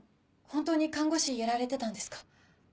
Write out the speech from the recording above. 本当に看護師やられてたんですか？